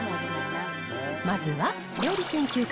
まずは料理研究家